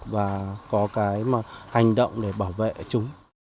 và có cái hành động để bảo vệ chúng